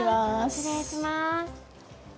失礼します。